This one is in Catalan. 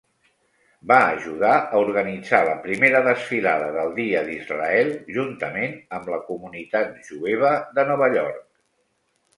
Va ajudar a organitzar la primera desfilada del Dia d'Israel juntament amb la comunitat jueva de Nova York.